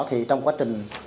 thì trong quá trình